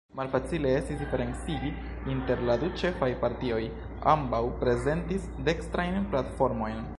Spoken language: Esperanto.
Malfacile estis diferencigi inter la du ĉefaj partioj: ambaŭ prezentis dekstrajn platformojn.